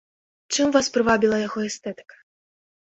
Чым вас прывабіла яго эстэтыка?